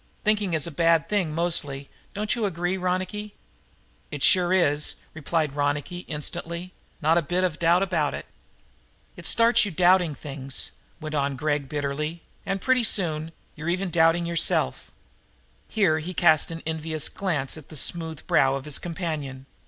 Thinking is a bad thing, mostly, don't you agree, Ronicky?" "It sure is," replied Ronicky Doone instantly. "Not a bit of a doubt about it." "It starts you doubting things," went on Gregg bitterly, "and pretty soon you're even doubting yourself." Here he cast an envious glance at the smooth brow of his companion.